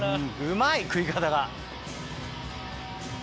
うまい食い方が。